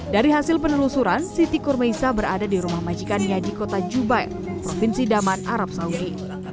dari hasil penelusuran siti kurmaisa berada di rumah majikannya di kota jubair provinsi daman arab saudi